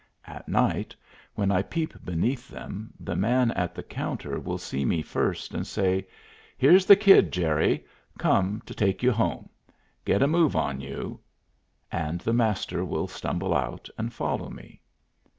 At night, when I peep beneath them, the man at the counter will see me first and say, "Here's the Kid, Jerry, come to take you home. Get a move on you"; and the Master will stumble out and follow me.